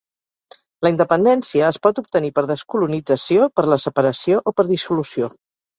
La independència es pot obtenir per descolonització, per la separació o per dissolució.